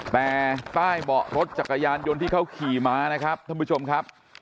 แต่ใต้เบาะรถจักรยานยนต์ที่เขาขี่มานะครับท่านผู้ชมครับ